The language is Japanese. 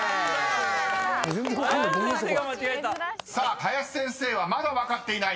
［林先生はまだ分かっていない。